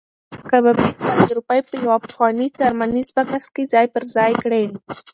کبابي خپلې روپۍ په یو پخواني څرمنین بکس کې ځای پر ځای کړې.